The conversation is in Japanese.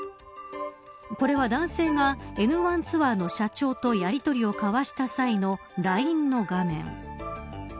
これは男性がエヌワンツアーの社長とやりとりを交わした際のＬＩＮＥの画面。